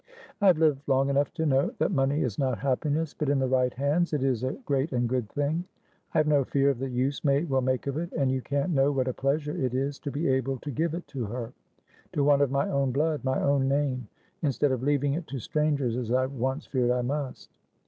"I have lived long enough to know that money is not happiness, but in the right hands it is a great and good thing. I have no fear of the use May will make of it, and you can't know what a pleasure it is to be able to give it to her, to one of my own blood, my own name, instead of leaving it to strangers, as I once feared I must.